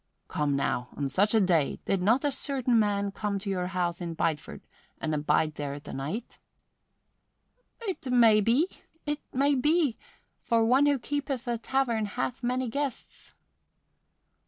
"Come, now, on such a day, did not a certain man come to your house in Bideford and abide there the night?" "It may be it may be for one who keepeth a tavern hath many guests."